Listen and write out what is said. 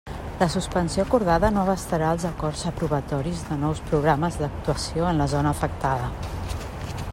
La suspensió acordada no abastarà els acords aprovatoris de nous programes d'actuació en la zona afectada.